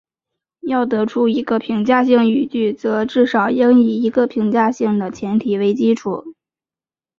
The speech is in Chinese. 要得出一个评价性语句则至少应以一个评价性的前提为基础。